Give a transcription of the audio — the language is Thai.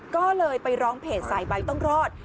ก็เลยไปร้องเพจสายใบต้องรอด